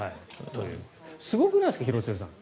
すごくないですか、廣津留さん。